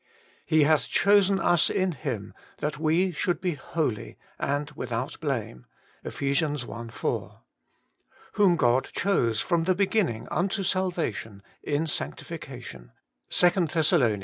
' He hath chosen us in Him, that we should be holy and without blame' (Eph. L 4). 'Whom God chose from the beginning unto salvation in sanctification* (2 Thess. ii.